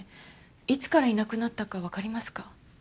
いつからいなくなったかわかりますか？